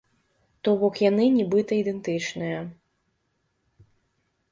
То бок яны нібыта ідэнтычныя.